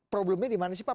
problemnya dimana sih pak